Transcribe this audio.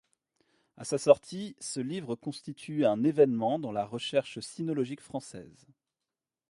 À sa sortie, ce livre constitue un événement dans la recherche sinologique française.